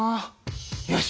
よし。